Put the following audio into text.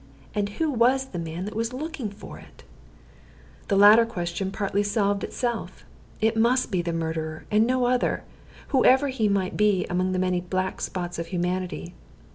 And who was the man that was looking for it? The latter question partly solved itself. It must be the murderer, and no other, whoever he might be among the many black spots of humanity.